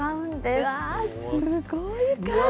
すごい数。